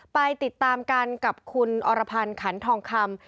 ไปติดตามกันกับคุณอรพันธ์ขันทองคำ